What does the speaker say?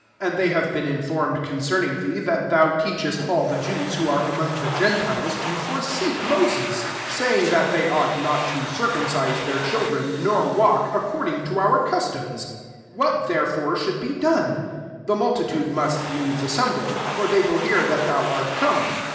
£1 And they have been informed concerning thee, that thou teachest [allj the Jews who are among the gentiles, to forsake Moses; saying that they ought not to circumcise their children; nOr walk accord to our customs. 22 What thcre^ fore should be done ? The mul titude must needs assemble : for they will hear that thou art come.